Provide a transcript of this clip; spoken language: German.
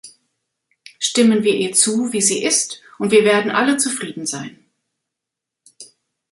Stimmen wir ihr zu, wie sie ist, und wir werden alle zufrieden sein.